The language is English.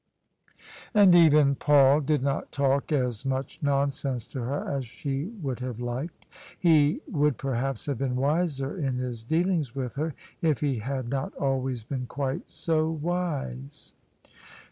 And even Paul did not talk as much nonsense to her as she would have liked: he would perhaps have been wiser in his dealings with her if he had not always been quite so wise.